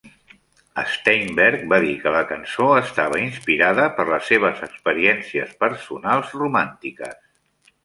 Steinberg va dir que la cançó estava inspirada per les seves experiències personals romàntiques.